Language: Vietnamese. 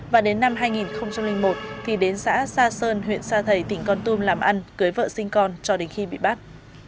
và đến năm hai nghìn một thì đến xã sa sơn huyện sa thầy tỉnh con tum làm ăn cưới vợ sinh con cho đến khi bị bắt